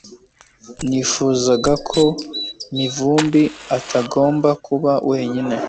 Nifuzaga ko Mivumbi atagomba kuba wenyine